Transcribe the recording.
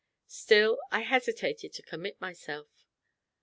Still I hesitated to commit myself.